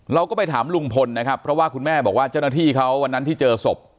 เราก็ไปถามลุงพลนะครับเพราะว่าคุณแม่บอกว่าเจ้าหน้าที่เขาวันนั้นที่เจอศพ